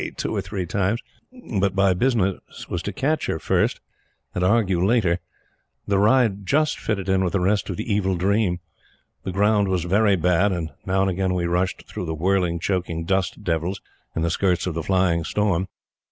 two or three times; but my business was to catch her first, and argue later. The ride just fitted in with the rest of the evil dream. The ground was very bad, and now and again we rushed through the whirling, choking "dust devils" in the skirts of the flying storm.